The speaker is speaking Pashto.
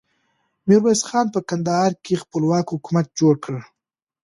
ميرويس خان په کندهار کې خپلواک حکومت جوړ کړ.